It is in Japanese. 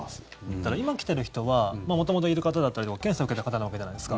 ただ、今来ている人は元々いる方だったりとか検査を受けた方なわけじゃないですか。